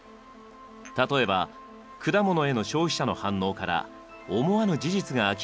例えば果物への消費者の反応から思わぬ事実が明らかになりました。